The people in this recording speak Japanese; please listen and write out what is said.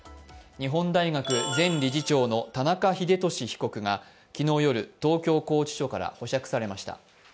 日本大学前理事長の田中英寿被告が昨日夜、東京拘置所から保釈されました。